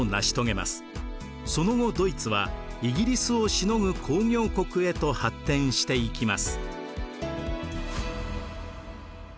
その後ドイツはイギリスをしのぐ工業国へと発展していきます。